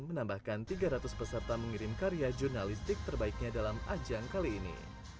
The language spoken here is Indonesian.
menambahkan tiga ratus peserta mengirim karya jurnalistik terbaiknya dalam ajang kali ini